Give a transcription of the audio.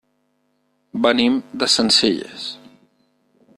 Venim de Sencelles.